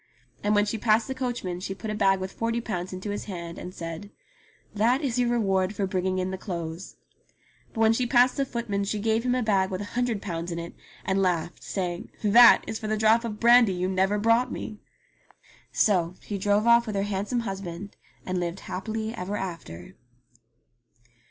And when she passed the coachman she put a bag with forty pounds into his hand and said, "That is your reward for bringing in the clothes." But when she passed the footman she gave him a bag with a hundred pounds in it, and laughed, saying, "That is for the drop of brandy you never brought me !" So she drove ofT with her handsome husband, and lived happy ever after.